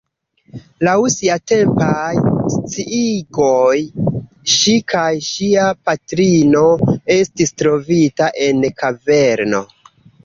Laŭ siatempaj sciigoj, ŝi kaj ŝia patrino estis trovita en kaverno.